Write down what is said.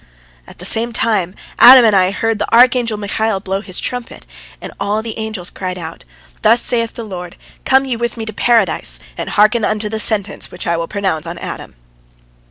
At the same time Adam and I heard the archangel Michael blow his trumpet, and all the angels cried out: "Thus saith the Lord, Come ye with Me to Paradise and hearken unto the sentence which I will pronounce upon Adam."